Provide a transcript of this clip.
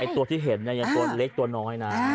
ตัวที่เห็นยังตัวเล็กตัวน้อยนะ